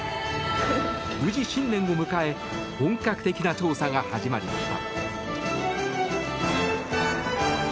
無事、新年を迎え本格的な調査が始まりました。